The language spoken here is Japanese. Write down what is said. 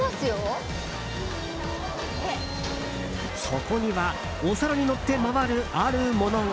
そこにはお皿にのって回るあるものが。